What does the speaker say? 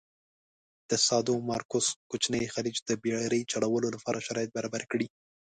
د سادومارکوس کوچینی خلیج د بېړی چلولو لپاره شرایط برابر کړي.